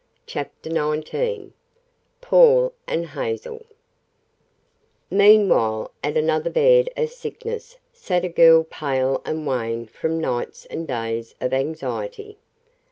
CHAPTER XIX PAUL AND HAZEL Meanwhile, at another bed of sickness sat a girl pale and wan from nights and days of anxiety.